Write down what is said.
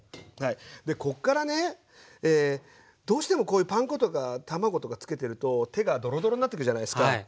でこっからねどうしてもこういうパン粉とか卵とかつけてると手がドロドロになってくじゃないっすか。